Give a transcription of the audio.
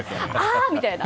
みたいな。